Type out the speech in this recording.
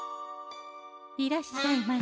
いらっしゃいまし。